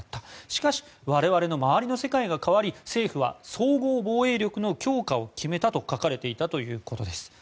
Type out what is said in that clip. しかし我々の周りの世界が変わり政府は総合防衛力の強化を決めたと書かれていたということです。